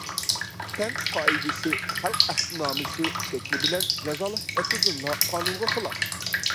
كەنت قائىدىسى، خەلق ئەھدىنامىسى شەكلى بىلەن جازالاش ئەسلىدىنلا قانۇنغا خىلاپ.